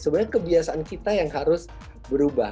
sebenarnya kebiasaan kita yang harus berubah